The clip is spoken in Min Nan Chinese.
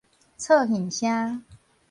噪耳聲